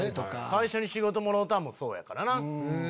最初に仕事もろうたんもそうやからな。